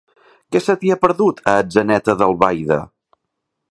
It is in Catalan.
Què se t'hi ha perdut, a Atzeneta d'Albaida?